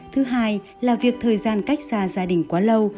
thứ hai là việc thời gian cách xa gia đình quá lâu